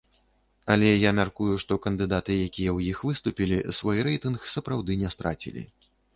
Але я мяркую, што кандыдаты, якія ў іх выступілі, свой рэйтынг сапраўды не страцілі.